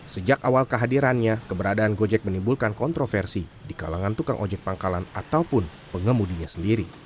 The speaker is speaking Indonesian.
sejak awal kehadirannya keberadaan gojek menimbulkan kontroversi di kalangan tukang ojek pangkalan ataupun pengemudinya sendiri